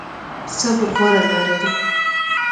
صبر غوره لاره ده